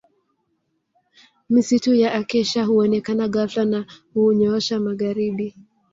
Misitu ya Acacia huonekana ghafla na hunyoosha magharibi